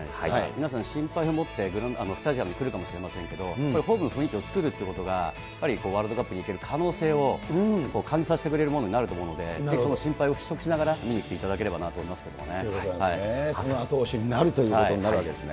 皆さん心配をもってスタジアムに来るかもしれませんけど、ホームの雰囲気を作るということが、やっぱりワールドカップに行ける可能性を感じさせてくれるものになると思うので、その心配を払拭しながら見に来ていただければなそういうことなんですね。